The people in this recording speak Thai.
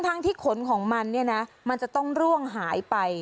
ทั้งที่ขนของมันเนี่ยนะมันจะต้องร่วงหายไป